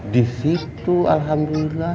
di situ alhamdulillah